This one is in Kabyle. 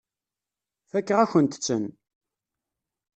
Fakeɣ-akent-ten.